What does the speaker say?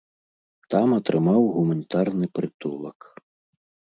Там атрымаў гуманітарны прытулак.